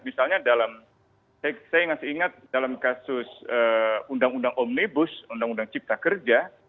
misalnya dalam saya ngasih ingat dalam kasus undang undang omnibus undang undang cipta kerja